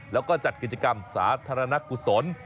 และจัดกิจกรรมสาธารณะกุษล